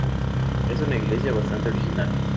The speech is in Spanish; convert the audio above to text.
Es una iglesia bastante original.